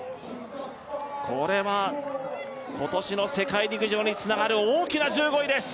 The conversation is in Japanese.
これは今年の世界陸上につながる大きな１５位です